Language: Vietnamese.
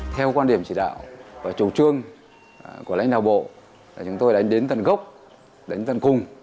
theo quan điểm chỉ đạo và chủ trương của lãnh đạo bộ chúng tôi đánh đến tầng gốc đánh tầng cùng